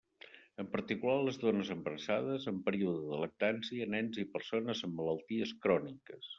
En particular les dones embarassades, en període de lactància, nens i persones amb malalties cròniques.